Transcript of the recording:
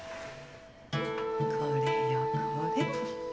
これよこれ。